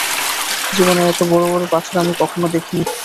জীবনে এত বড় বড় পাথর আমি কখনো দেখিনি।